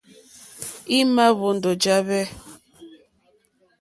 Í má ǃhwóndó ǃjá hwɛ̂.